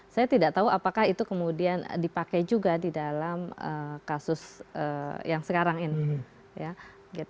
saya tidak tahu apakah itu kemudian dipakai juga di dalam kasus yang sekarang ini